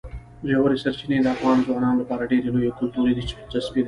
ژورې سرچینې د افغان ځوانانو لپاره ډېره لویه کلتوري دلچسپي لري.